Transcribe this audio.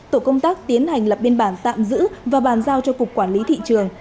tổ công tác tiến hành lập biên bản tạm giữ và bàn giao cho cục quản lý thị trường